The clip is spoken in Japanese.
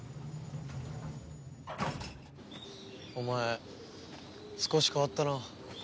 お前少し変わったな。